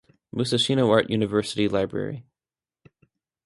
Musashino Art University Library.